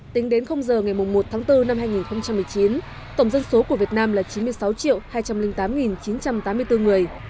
tính đến giờ ngày một tháng bốn năm hai nghìn một mươi chín tổng dân số của việt nam là chín mươi sáu hai trăm linh tám chín trăm tám mươi bốn người